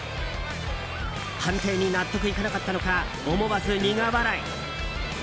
判定に納得いかなかったのか思わず苦笑い。